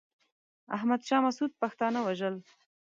احمد شاه مسعود پښتانه وژل.